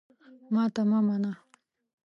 ماته مه منه !